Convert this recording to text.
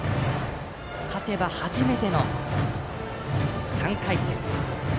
勝てば初めての３回戦。